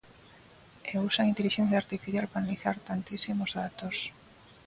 E usan intelixencia artificial para analizar tantísimos datos.